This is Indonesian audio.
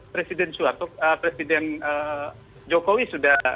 presiden suatu presiden jokowi sudah